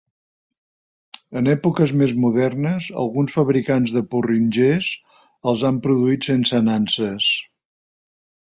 En èpoques més modernes, alguns fabricants de porringers els han produït sense nanses.